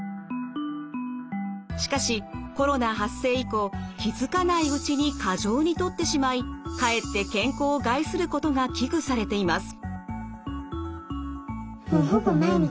しかしコロナ発生以降気付かないうちに過剰にとってしまいかえって健康を害することが危惧されています。